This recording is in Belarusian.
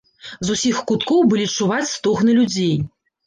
З усіх куткоў былі чуваць стогны людзей.